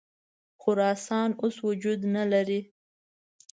خراسان اوس وجود نه لري.